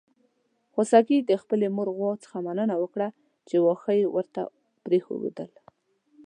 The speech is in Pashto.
خوسکي د خپلې مور غوا څخه مننه وکړه چې واښه يې ورته پرېښودل.